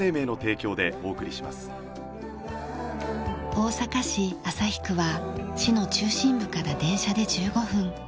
大阪市旭区は市の中心部から電車で１５分。